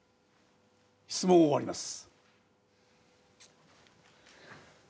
質問を終わります。